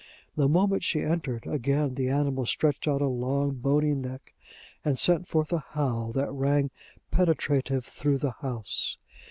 The moment she entered, again the animal stretched out a long, bony neck, and sent forth a howl that rang penetrative through the house.